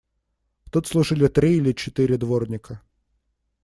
Тут служили три или четыре дворника.